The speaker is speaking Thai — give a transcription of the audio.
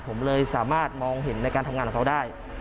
ผมเลยสามารถมองเห็นในการทำงานของเขาได้